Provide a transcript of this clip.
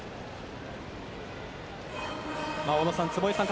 小野さん